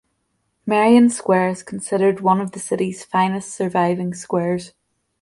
Merrion Square is considered one of the city's finest surviving squares.